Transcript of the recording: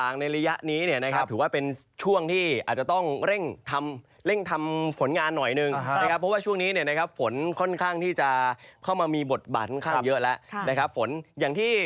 เงาะก็ต้องไปโรงเรียน